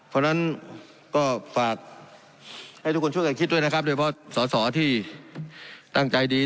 เพราะฉะนั้นก็ฝากให้ทุกคนช่วยกันคิดด้วยนะครับโดยเพราะสอสอที่ตั้งใจดี